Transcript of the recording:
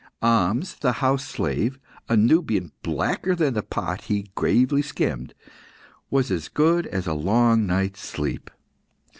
Ahmes, the house slave, a Nubian blacker than the pot he gravely skimmed, was as good as a long night's sleep.